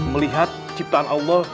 melihat ciptaan allah